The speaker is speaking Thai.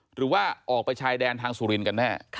หรือว่าออกไปชายแดนทางสุรินทร์กันแน่